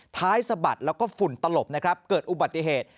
สะบัดแล้วก็ฝุ่นตลบนะครับเกิดอุบัติเหตุ